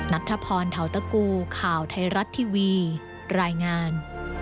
นัทธพรเทาตะกูข่าวไทยรัฐทีวีรายงาน